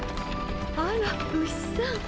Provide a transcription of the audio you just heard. あらウシさん。